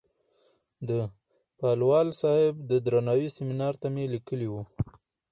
د پالوال صاحب د درناوۍ سیمینار ته مې لیکلې وه.